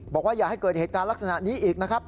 อย่าให้เกิดเหตุการณ์ลักษณะนี้อีกนะครับ